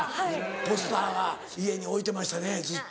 ポスターが家に置いてましたねずっと。